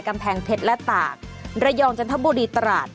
กำแพงเพชรและตากระยองจันทบุรีตราด